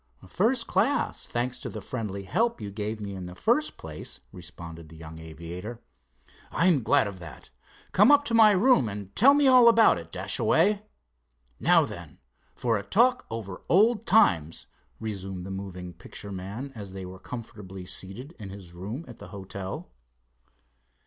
"First class, thanks to the friendly help you gave me in the first place," responded the young aviator. "I'm glad of that. Come up to my room and tell me all about it, Dashaway. Now then, for a talk over old times," resumed the moving picture man, as they were comfortably seated in his room at the hotel.